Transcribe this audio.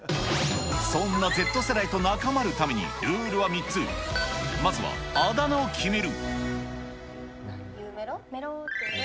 そんなＺ世代と中丸のためにルールは３つ、まずはあだ名を決める。